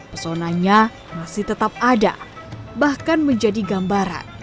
pesonanya masih tetap ada bahkan menjadi gambaran